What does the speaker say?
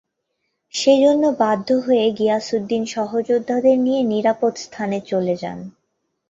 সে জন্য বাধ্য হয়ে গিয়াসউদ্দিন সহযোদ্ধাদের নিয়ে নিরাপদ স্থানে চলে যান।